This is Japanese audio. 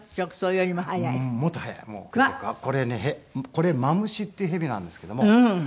これマムシっていう蛇なんですけども。